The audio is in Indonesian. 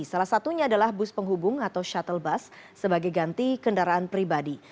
salah satunya adalah bus penghubung atau shuttle bus sebagai ganti kendaraan pribadi